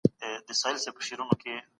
ما د پښتو ژبي دپاره یو نوی کورس شروع کړی دی